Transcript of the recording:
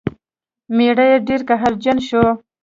میړه یې ډیر قهرجن شو.